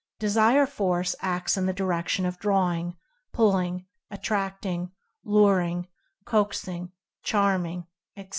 Desire Force acts in the direc tion of drawing, pulling, attracting, luring, coaxing, charming, etc.